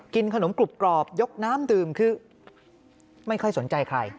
ขนมกรุบกรอบยกน้ำดื่มคือไม่ค่อยสนใจใคร